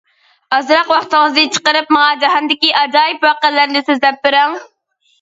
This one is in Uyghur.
ئازراق ۋاقتىڭىزنى چىقىرىپ ماڭا جاھاندىكى ئاجايىپ ۋەقەلەرنى سۆزلەپ بېرىڭ.